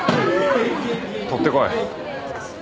取ってこい。